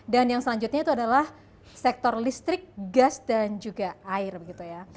dan yang selanjutnya itu adalah sektor listrik gas dan juga air begitu ya